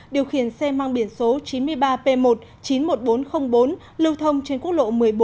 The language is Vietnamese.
điều khiển xe mang biển số chín mươi ba p một chín mươi một nghìn bốn trăm linh bốn lưu thông trên quốc lộ một mươi bốn